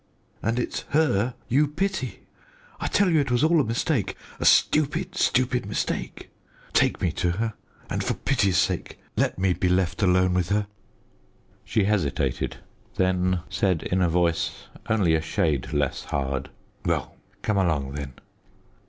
And it's her you pity. I tell you it was all a mistake a stupid, stupid mistake. Take me to her, and for pity's sake let me be left alone with her." She hesitated; then said in a voice only a shade less hard "Well, come along, then."